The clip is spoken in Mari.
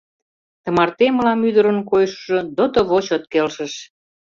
Тымарте мылам ӱдырын койышыжо дотово чот келшыш.